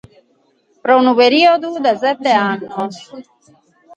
Pro unu perìodu de sete annos.